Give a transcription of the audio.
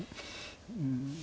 うん。